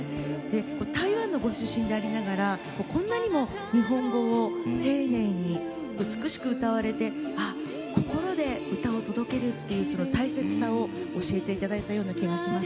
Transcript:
台湾のご出身でありながらこんなにも日本語を丁寧に美しく歌われて心で歌を届けるという大切さを教えていただいた気がします。